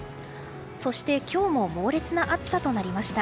そして今日も猛烈な暑さとなりました。